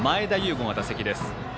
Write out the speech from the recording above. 伍が打席です。